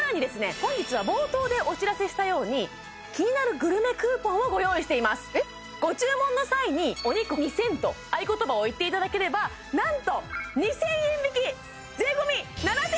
本日は冒頭でお知らせしたようにキニナルグルメクーポンをご用意していますご注文の際に「お肉２０００」と合言葉を言っていただければなんとえ！？